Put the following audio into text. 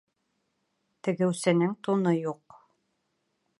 Тегеүсенең туны юҡ.